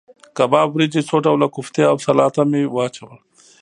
کباب، وریجې، څو ډوله کوفتې او سلاته مې واچول.